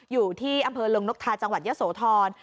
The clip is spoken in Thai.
อยู่ที่อำเภอลงนกทาจังหวัดยะโสธร